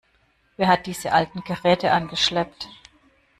Wer hat diese alten Geräte angeschleppt?